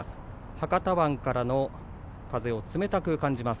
博多湾からの風を冷たく感じます。